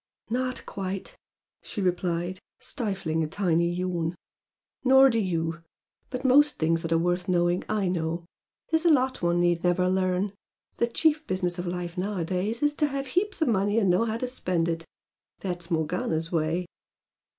"Not quite!" she replied, stifling a tiny yawn "Nor do you! But most things that are worth knowing I know. There's a lot one need never learn. The chief business of life nowadays is to have heaps of money and know how to spend it. That's Morgana's way."